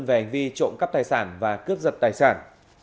về hành vi trộm cắp tài sản và cướp giật tài sản